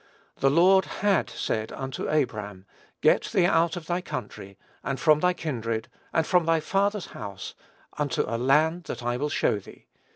"The Lord had said unto Abram, Get thee out of thy country, and from thy kindred, and from thy father's house, unto a land that I will show thee."